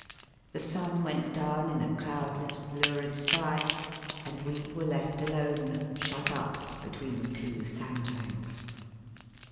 The sun went down in a cloudless, lurid sky, and we were left alone, shut up between two sandbanks.